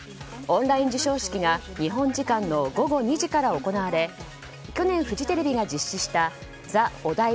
オンライン授賞式が日本時間の午後２時から行われ去年フジテレビが実施した「ＴＨＥＯＤＡＩＢＡ２０２１